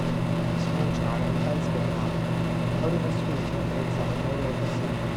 A small child in a baseball cap holding a scooter looks at a model of the city.